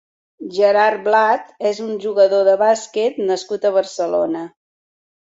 Gerard Blat és un jugador de bàsquet nascut a Barcelona.